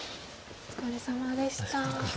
お疲れさまでした。